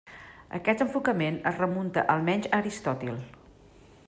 Aquest enfocament es remunta almenys a Aristòtil.